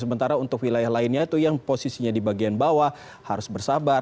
sementara untuk wilayah lainnya itu yang posisinya di bagian bawah harus bersabar